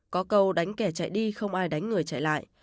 có cầu đánh kẻ chạy đi không ai đánh người chạy lại